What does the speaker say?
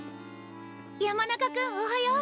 山中君おはよう！